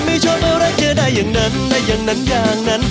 ไม่ชอบอะไรเจอได้อย่างนั้นได้อย่างนั้นอย่างนั้น